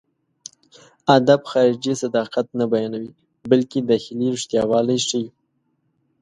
ادب خارجي صداقت نه بيانوي، بلکې داخلي رښتياوالی ښيي.